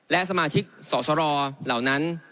และสมาชิกสอสรเหล่านั้น